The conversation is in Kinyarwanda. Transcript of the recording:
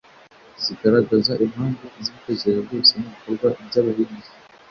zigaragaza impamvu z’ibitekerezo byose n’ibikorwa by’abahindu